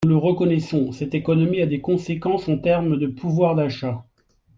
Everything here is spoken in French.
Nous le reconnaissons, cette économie a des conséquences en termes de pouvoir d’achat.